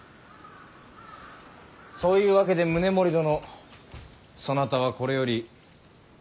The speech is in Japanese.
そういうわけで宗盛殿そなたはこれより京へ戻る。